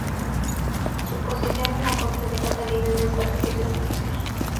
Su posición en la corte de Catalina no es fácil de clasificar.